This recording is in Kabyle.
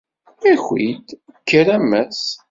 Aki-d, kker, a Mass.